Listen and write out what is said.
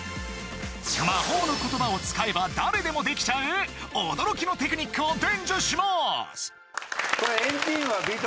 魔法の言葉を使えば誰でもできちゃう驚きのテクニックを伝授します